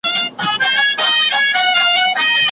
چي پر سر باندي یې وکتل ښکرونه